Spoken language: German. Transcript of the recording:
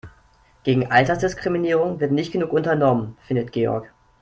Gegen Altersdiskriminierung wird nicht genug unternommen, findet Georg.